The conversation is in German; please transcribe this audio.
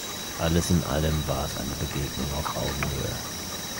Alles in allem war es eine Begegnung auf Augenhöhe.